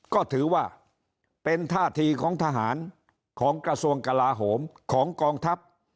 ก็ถือว่าเป็นท่าทีของทหารของกระทรวงกลาโหมของกองทัพ